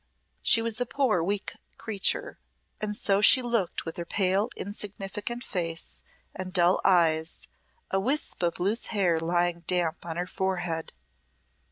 She was a poor weak creature, and so she looked with her pale insignificant face and dull eyes, a wisp of loose hair lying damp on her forehead.